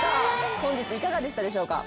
本日いかがでしたでしょうか。